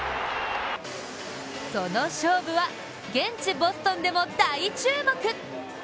その勝負は、現地ボストンでも大注目！